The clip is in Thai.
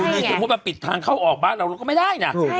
ถ้ามีคนมาปิดทางเข้าออกบ้านเราก็ไม่ได้นะ